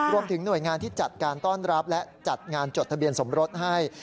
รวมถึงหน่วยงานที่จัดการต้อนรับและจัดงานจดทะเบียนสมรสให้